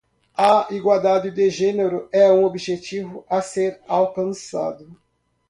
A igualdade de gênero é um objetivo a ser alcançado.